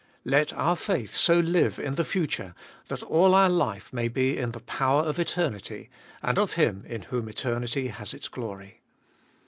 Let our faith so live in the future, that all our life may be in the power of eternity, and of Him in whom eternity has its glory.